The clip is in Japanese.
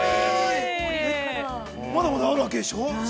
◆まだまだあるわけでしょう？